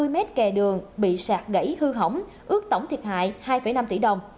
ba mươi mét kè đường bị sạt gãy hư hỏng ước tổng thiệt hại hai năm tỷ đồng